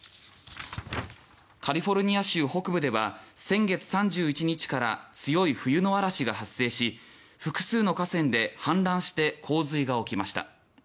カリフォルニア州北部では先月３１日から強い冬の嵐が発生し複数の河川が氾濫して洪水が起きました。